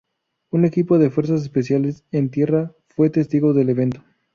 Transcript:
Un equipo de fuerzas especiales en tierra fue testigo del evento.